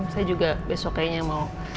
saya juga besok kayaknya mau